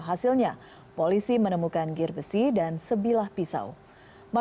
hasilnya polisi menemukan gir besi dan sebilangan